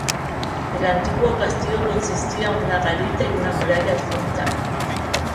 El antiguo castillo consistía en una garita y una muralla adjunta.